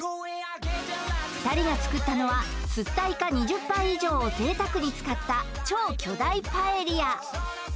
２人が作ったのは釣ったイカ２０杯以上をぜいたくに使った超巨大パエリア